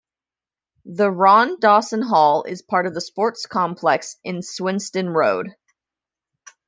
The Ron Dawson Hall is part of the sports complex in Swinstead Road.